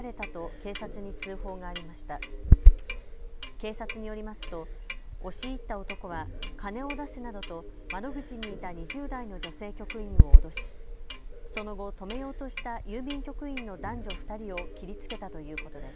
警察によりますと押し入った男は金を出せなどと窓口にいた２０代の女性局員を脅しその後、止めようとした郵便局員の男女２人を切りつけたということです。